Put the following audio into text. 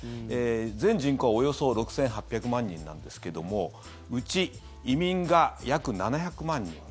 全人口はおよそ６８００万人なんですけどうち移民が約７００万人。